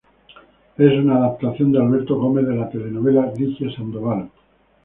Es una adaptación de Alberto Gómez de la telenovela "Ligia Sandoval.